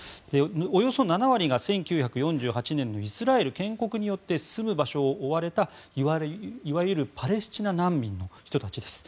およそ７割が１９４８年のイスラエル建国によって住む場所を追われた、いわゆるパレスチナ難民の人たちです。